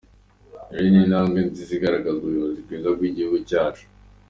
Ibi ni intabwe nziza igaragaza ubuyobozi bwiza bw’igihugu cyacu.